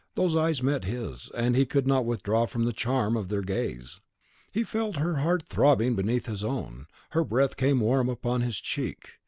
Those eyes met his, and he could not withdraw from the charm of their gaze. He felt her heart throbbing beneath his own; her breath came warm upon his cheek.